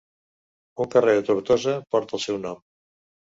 Un carrer de Tortosa porta el seu nom.